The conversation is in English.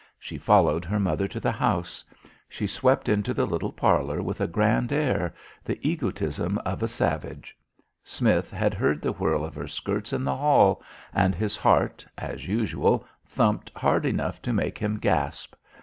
She followed her mother to the house. She swept into the little parlor with a grand air, the egotism of a savage. Smith had heard the whirl of her skirts in the hall, and his heart, as usual, thumped hard enough to make him gasp.